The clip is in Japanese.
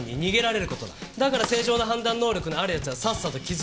だから正常な判断能力のある奴はさっさと気づけ。